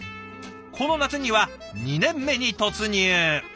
この夏には２年目に突入。